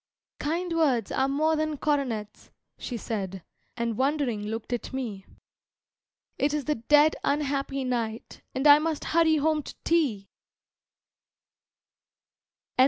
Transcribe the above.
"Kind words are more than coronets," She said, and wondering looked at me: "It is the dead unhappy night, and I must hurry home to tea."